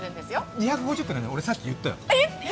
２５０っていうのは俺、さっき言ったよ